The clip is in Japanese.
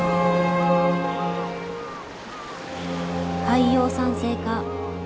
海洋酸性化